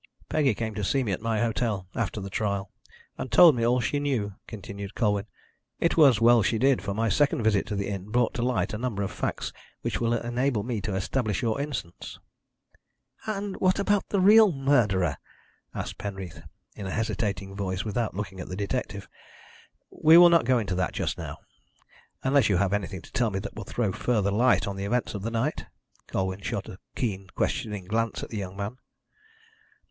"Peggy came to see me at my hotel, after the trial, and told me all she knew," continued Colwyn. "It was well she did, for my second visit to the inn brought to light a number of facts which will enable me to establish your innocence." "And what about the real murderer?" asked Penreath, in a hesitating voice, without looking at the detective. "We will not go into that just now, unless you have anything to tell me that will throw further light on the events of the night." Colwyn shot a keen, questioning glance at the young man.